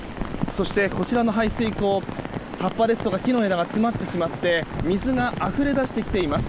そして、こちらの排水溝葉っぱですとか木の枝が詰まってしまって水があふれ出してきています。